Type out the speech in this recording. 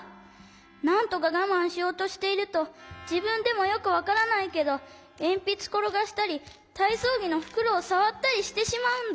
なんとかがまんしようとしているとじぶんでもよくわからないけどえんぴつころがしたりたいそうぎのふくろをさわったりしてしまうんだ。